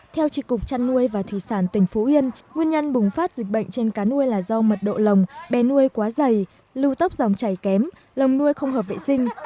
theo trị cục chăn nuôi và thủy sản tỉnh phú yên nguyên nhân bùng phát dịch bệnh trên cá nuôi là do mật độ lồng bè nuôi quá dày lưu tốc dòng chảy kém lồng nuôi không hợp vệ sinh